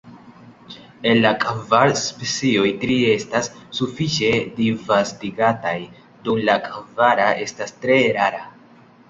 El la kvar specioj, tri estas sufiĉe disvastigataj, dum la kvara estas tre rara.